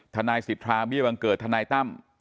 ทนายศิษย์ธราบิวังเกิดทนายตั้ม